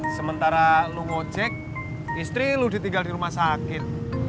sementara lu ngojek istri lu ditinggal di rumah sakit